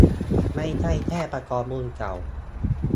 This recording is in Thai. ไม่ใช่แค่ประคองบุญเก่า